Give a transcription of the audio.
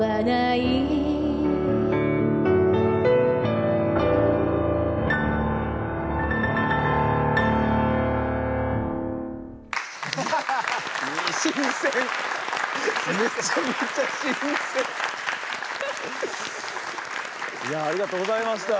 いやありがとうございました。